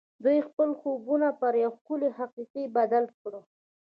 دوی خپل خوبونه پر یو ښکلي حقیقت بدل کړل